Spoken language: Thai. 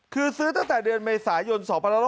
คือซื้อตั้งแต่เดือนเมษายน๒๖๖